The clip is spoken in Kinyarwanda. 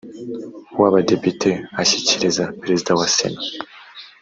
w abadepite ashyikiriza perezida wa sena